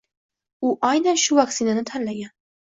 U aynan shu vaksinani tanlagan.